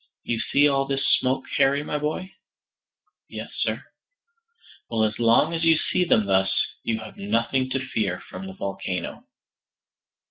"You see all this smoke, Harry, my boy?" "Yes, sir." "Well, as long as you see them thus, you have nothing to fear from the volcano."